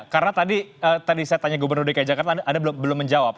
karena tadi saya tanya gubernur dki jakarta anda belum menjawab